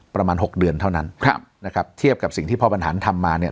ประมาณหกเดือนเท่านั้นครับนะครับเทียบกับสิ่งที่พ่อบรรหารทำมาเนี่ย